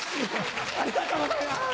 ありがとうございます。